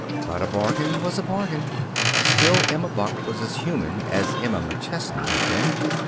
But a bargain was a bargain. Still, Emma Buck was as human as Emma McChesney had been.